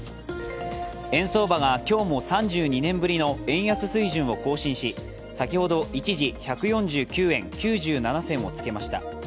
円相場が今日も３２年ぶりの円安水準を更新し先ほど一時１４９円９７銭をつけました。